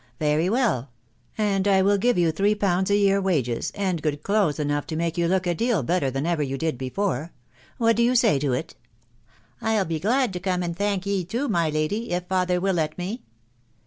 Very well ;.... and I will give you three pounds a year wages, and good clothes enough to make you look a deal better than ever you did before. What do you say to it ?" u I'll be glad to come, and thankye, too, my lady, if father will let me.'